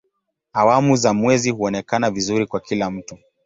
Awamu za mwezi huonekana vizuri kwa kila mtu.